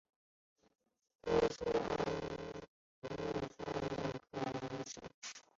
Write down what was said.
多数过氯酸盐可溶于水。